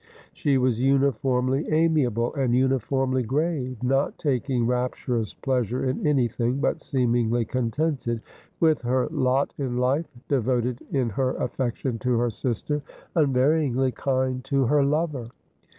She was uniformly amiable and uniformly grave — not taking rapturous pleasure in anything, but seemingly contented with her lot in life, devoted in her affection to her sister, unvaryingly kind to her lover.